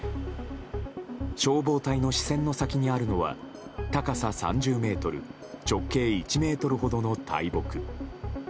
消防隊の視線の先にあるのは高さ３０ｍ直径１ｍほどの大木。